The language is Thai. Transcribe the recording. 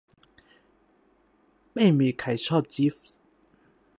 ไม่มีใครชอบจีฟส์